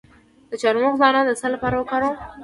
د چارمغز دانه د څه لپاره وکاروم؟